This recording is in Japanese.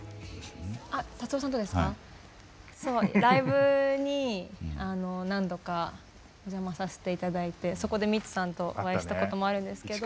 そうライブに何度かお邪魔させて頂いてそこでミッツさんとお会いしたこともあるんですけど。